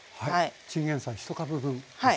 チンゲンサイ１株分ですよね。